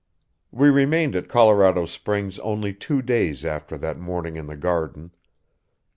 We remained at Colorado Springs only two days after that morning in the garden.